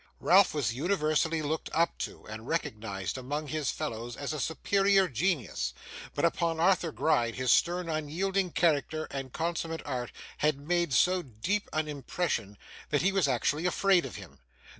Ralph was universally looked up to, and recognised among his fellows as a superior genius, but upon Arthur Gride his stern unyielding character and consummate art had made so deep an impression, that he was actually afraid of him.